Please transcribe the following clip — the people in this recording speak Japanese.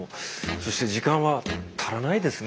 そして時間は足らないですね